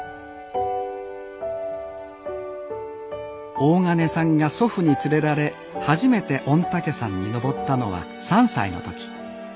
大鐘さんが祖父に連れられ初めて御嶽山に登ったのは３歳の時。